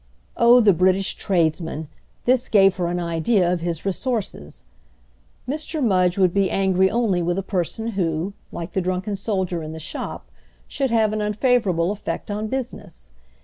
Oh the British tradesman—this gave her an idea of his resources! Mr. Mudge would be angry only with a person who, like the drunken soldier in the shop, should have an unfavourable effect on business.